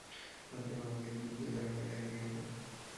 অতএব আমাকে তুমি প্রজার ভয় দেখাইয়ো না।